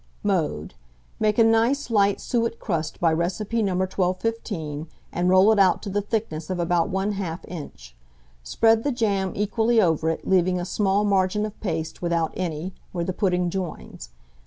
Mode. Make a nice light suet crust by recipe No. 1215, and roll it out to the thickness of about 1/2 inch. Spread the jam equally over it, leaving a small margin of paste without any, where the pudding joins.